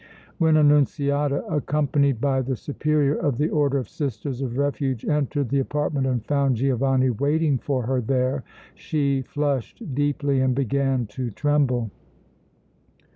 When Annunziata accompanied by the Superior of the Order of Sisters of Refuge entered the apartment and found Giovanni waiting for her there she flushed deeply and began to tremble.